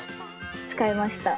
使いました。